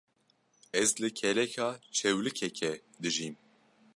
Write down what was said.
Ez li kêleka çewlikekê dijîm.